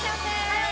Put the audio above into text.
はい！